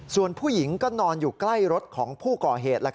ส่วนผู้หญิงก็นอนอยู่ใกล้รถของผู้ก่อเหตุ